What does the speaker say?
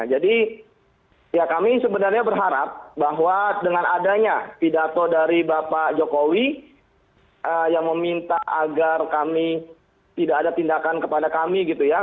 jadi ya kami sebenarnya berharap bahwa dengan adanya pidato dari bapak jokowi yang meminta agar kami tidak ada tindakan kepada kami gitu ya